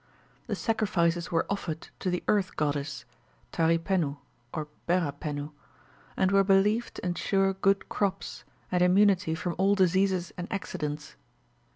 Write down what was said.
The sacrifices were offered to the earth goddess, Tari Pennu or Bera Pennu, and were believed to ensure good crops, and immunity from all diseases and accidents.